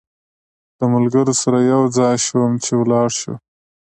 له ملګرو سره یو ځای شوم چې ولاړ شو.